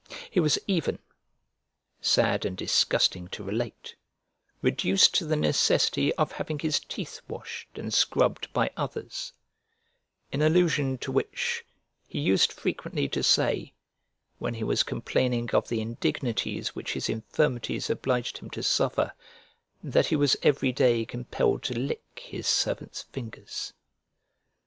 He was even (sad and disgusting to relate) reduced to the necessity of having his teeth washed and scrubbed by others: in allusion to which he used frequently to say, when he was complaining of the indignities which his infirmities obliged him to suffer, that he was every day compelled to lick his servant's fingers.